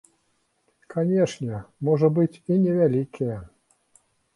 Канешне, можа быць, і невялікія.